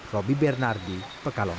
robby bernardi pekalongan